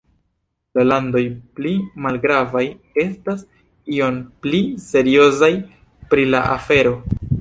La landoj pli malgravaj estas iom pli seriozaj pri la afero.